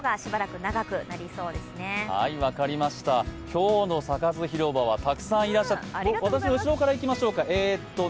今日のサカス広場はたくさんいらっしゃって私の後ろからいきましょうか。